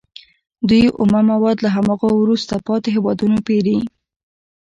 دوی اومه مواد له هماغو وروسته پاتې هېوادونو پېري